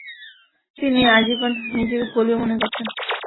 তিনি আজীবন নিজেকে পোলীয় মনে করতেন।